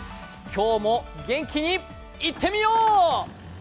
今日も元気にいってみよう！